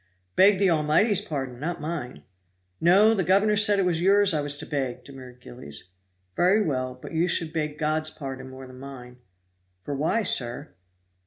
"Beg the Almighty's pardon, not mine." "No! the governor said it was yours I was to beg," demurred Gillies. "Very well. But you should beg God's pardon more than mine." "For why, sir?"